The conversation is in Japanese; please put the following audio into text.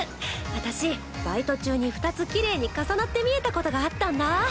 私バイト中に２つきれいに重なって見えたことがあったんだ。